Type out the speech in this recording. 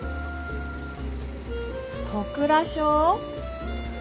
戸倉小？